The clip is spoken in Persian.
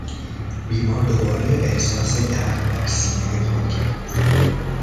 بیمار دوباره احساس درد در سینهی خود کرد.